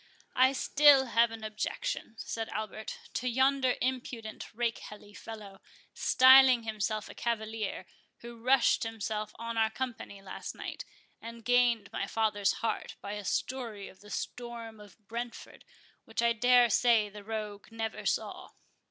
"I still have an objection," said Albert, "to yonder impudent rakehelly fellow, styling himself a cavalier, who rushed himself on our company last night, and gained my father's heart by a story of the storm of Brentford, which I dare say the rogue never saw."